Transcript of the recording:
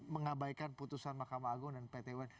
mengabaikan putusan mahkamah agung dan pt un